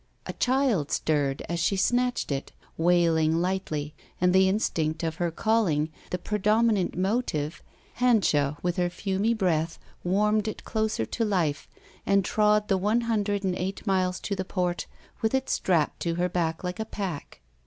A child stirred as she snatched it, wailing lightly, and the instinct of her calling, the predominant motive, Hanscha with her fiuny breath warmed it closer to life and trod the one hundred and eight miles to the port with it strapped to her back like a pack.